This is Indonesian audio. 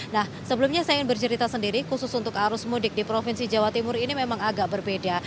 nah sebelumnya saya ingin bercerita sendiri khusus untuk arus mudik di provinsi jawa timur ini memang agak berbeda